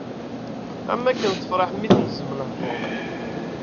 Am wakken tefreḥ mi tegzem lehdur.